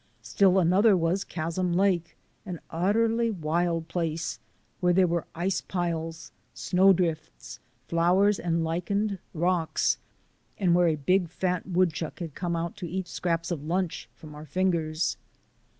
Still another was Chasm Lake, an utterly wild place, where there were ice piles, snow drifts, flowers, and lichened rocks; and where a big, fat woodchuck had come out to eat scraps of lunch from our fingers.